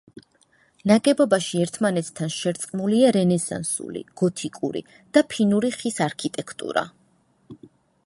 ნაგებობაში ერთმანეთთან შერწყმულია რენესანსული, გოთიკური და ფინური ხის არქიტექტურა.